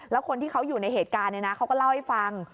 แล้วคนที่เขาอยู่ในเหตุการณ์เขาก็เล่าให้ฟัง